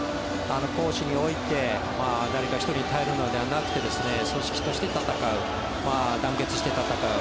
攻守において誰か１人戦うのではなく組織として戦う団結して戦う。